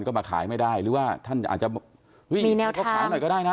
ก็มาขายไม่ได้หรือว่าท่านจะอาจจะเฮ้ยเขาชอบขาดหน่อยก็ได้นะ